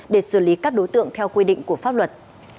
để xử lý các đối tượng theo quy định của pháp luật